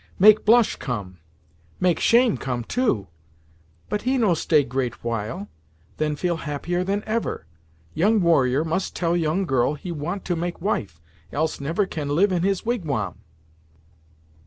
"Make blush come make shame come too; but he no stay great while; then feel happier than ever. Young warrior must tell young girl he want to make wife, else never can live in his wigwam."